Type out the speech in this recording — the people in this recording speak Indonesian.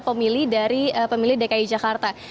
pemilih dari pemilih dki jakarta